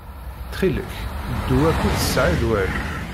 Ttxil-k, ddu akked Saɛid Waɛli.